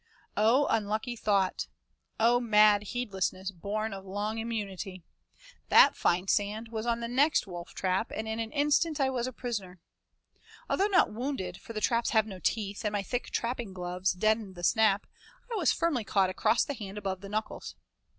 Oh, unlucky thought! Oh, mad heedlessness born of long immunity! That fine sand was on the next wolftrap and in an instant I was a prisoner. Although not wounded, for the traps have no teeth, and my thick trapping gloves deadened the snap, I was firmly caught across the hand above the knuckles.